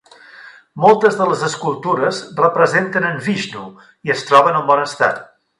Moltes de les escultures representen en Vishnu i es troben en bon estat.